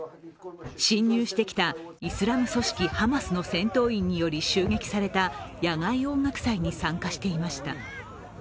侵入してきたイスラム組織ハマスの戦闘員により襲撃された野外音楽祭に参加していました。